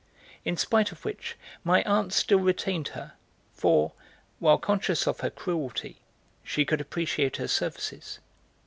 In spite of which my aunt still retained her, for, while conscious of her cruelty, she could appreciate her services.